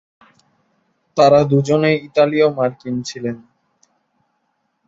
তারা দুজনেই ইতালীয়-মার্কিন ছিলেন।